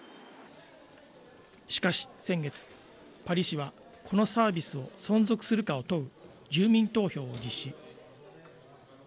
しかし先月、パリ市はこのサービスを存続するかを問う住民投票を実施。